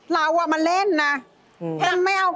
เอาไว้ขุดต้นไม้